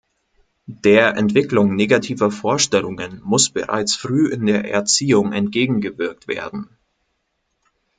Der Entwicklung negativer Vorstellungen muss bereits früh in der Erziehung entgegengewirkt werden.